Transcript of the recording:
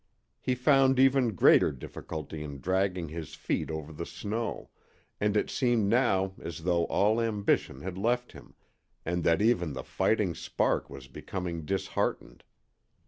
He found even greater difficulty in dragging his feet over the snow, and it seemed now as though all ambition had left him, and that even the fighting spark was becoming disheartened.